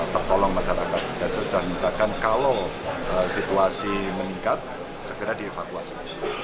pertolong masyarakat dan sudah menentukan kalau situasi meningkat segera dievakuasi